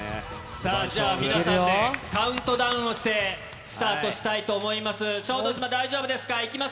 さあ、じゃあ、皆さんでカウントダウンをしてスタートしたいと思います。